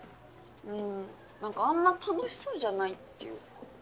うん何かあんま楽しそうじゃないっていうか。